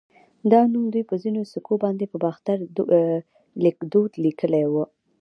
دا نوم دوی په ځینو سکو باندې په باختري ليکدود لیکلی و